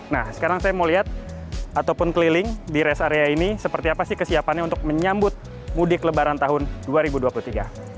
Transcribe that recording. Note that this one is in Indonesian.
nah sekarang saya mau lihat ataupun keliling di rest area ini seperti apa sih kesiapannya untuk menyambut mudik lebaran tahun dua ribu dua puluh tiga